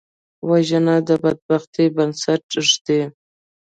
وژنه د بدبختۍ بنسټ ږدي